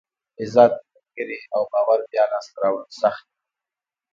عزت، ملګري او باور بیا لاسته راوړل سخت دي.